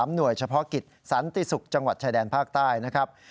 หน่วยเฉพาะกิจสันติศุกร์จังหวัดชายแดนภาคใต้นะครับ